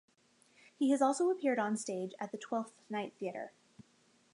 He has also appeared on stage at the Twelfth Night Theatre.